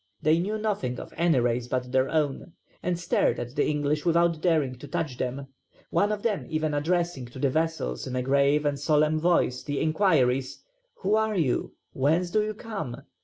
They knew nothing of any race but their own, and stared at the English without daring to touch them, one of them even addressing to the vessels in a grave and solemn voice the inquiries, Who are you? Whence do you come?